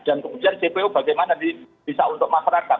dan kemudian cpo bagaimana bisa untuk masyarakat